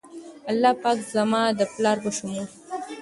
الله پاک د زما د پلار په شمول